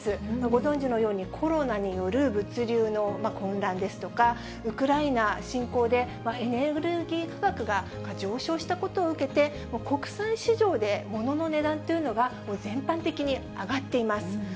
ご存じのようにコロナによる物流の混乱ですとか、ウクライナ侵攻で、エネルギー価格が上昇したことを受けて、国際市場で物の値段というのが全般的に上がっています。